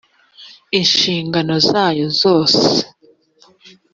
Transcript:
inshingano zayo zose